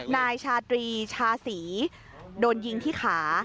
นายชาตรีชาศรีโดนยิงที่ขา